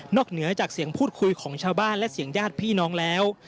เหนือจากเสียงพูดคุยของชาวบ้านและเสียงญาติพี่น้องแล้ว